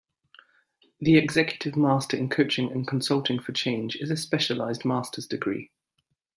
The Executive Master in Coaching and Consulting for Change is a specialized master's degree.